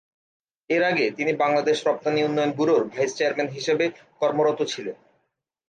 এর আগে তিনি বাংলাদেশ রপ্তানি উন্নয়ন ব্যুরোর ভাইস চেয়ারম্যান হিসেবে কর্মরত ছিলেন।